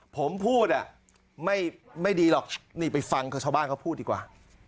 ผมพูดไม่ดีหรอกนี่ไปฟังชาวบ้านเขาพูดดีกว่า